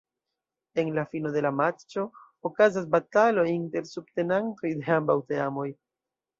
En la fino de la matĉo okazas batalo inter subtenantoj de ambaŭ teamoj.